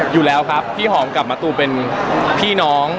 อยู่แล้วครับพี่หอมกลับมาตูเป็นพี่น้อง